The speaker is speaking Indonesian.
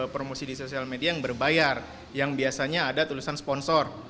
promosi di sosial media yang berbayar yang biasanya ada tulisan sponsor